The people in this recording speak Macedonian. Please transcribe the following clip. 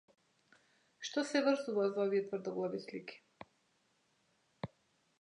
Што се врзува за овие тврдоглави слики?